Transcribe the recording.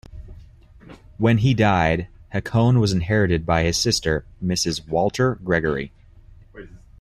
When he died, Hakone was inherited by his sister, Mrs. Walter Gregory.